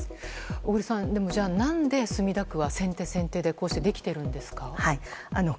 小栗さん、じゃあ何で墨田区は先手先手でこうしてできているんですか。